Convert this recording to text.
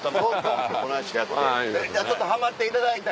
ちょっとハマっていただいた。